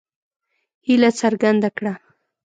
هیله څرګنده کړه.